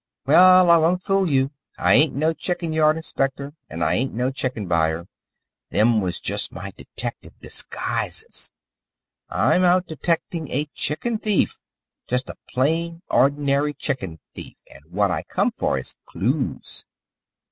Well, I won't fool you. I ain't no chicken yard inspector, and I ain't no chicken buyer them was just my detective disguises. I'm out detecting a chicken thief just a plain, ordinary chicken thief and what I come for is clues."